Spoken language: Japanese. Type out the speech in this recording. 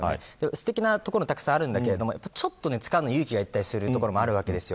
すてきなところもたくさんあるんだけどちょっと使うのに勇気がいる所もあるわけです。